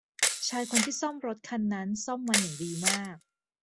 ชายคนที่ซ่อมรถคันนั้นซ่อมมันอย่างดีมาก